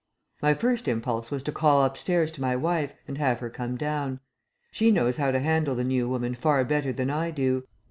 My first impulse was to call up stairs to my wife and have her come down. She knows how to handle the new woman far better than I do.